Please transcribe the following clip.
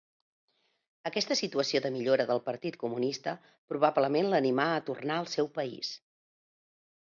Aquesta situació de millora del partit comunista probablement l'animà a tornar al seu país.